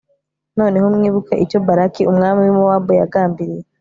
noneho mwibuke icyo balaki umwami w'i mowabu yagambiriye